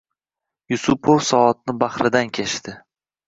Yusupov soatni bahridan kechdi